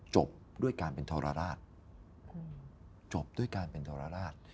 จบด้วยการเป็นธรราลาศ